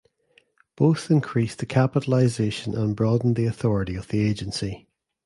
Both increased the capitalization and broadened the authority of the Agency.